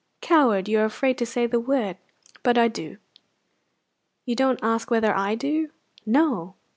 "Coward! You are afraid to say the word. But I do!" "You don't ask whether I do!" "No."